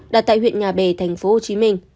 đã tại huyện nhà bè tp hcm